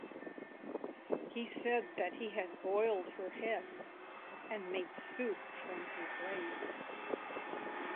He said that he had boiled her head and made soup from her brain.